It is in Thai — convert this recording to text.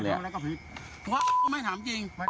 ก็ไหวไม่ถามจริง